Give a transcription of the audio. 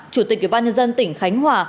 chủ tịch ủy ban nhân dân tỉnh khánh hòa